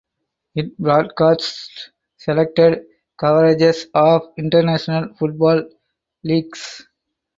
It broadcasts selected coverages of international football leagues.